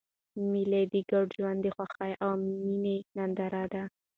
مېلې د ګډ ژوند د خوښۍ او میني ننداره ده.